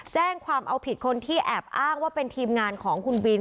แจ้งความเอาผิดคนที่แอบอ้างว่าเป็นทีมงานของคุณบิน